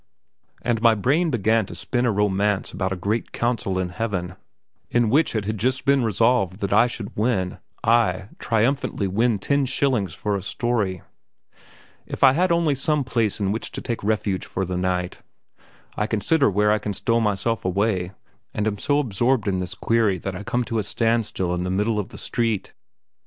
And my brain began to spin a romance about a great council in Heaven, in which it had just been resolved that I should win ay, triumphantly win ten shillings for a story. If I only had some place in which to take refuge for the night! I consider where I can stow myself away, and am so absorbed in this query that I come to a standstill in the middle of the street.